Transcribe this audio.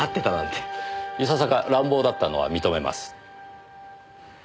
いささか乱暴だったのは認めます。